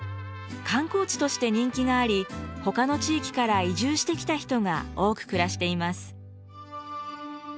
観光地として人気がありほかの地域から移住してきた人が多く暮らしています。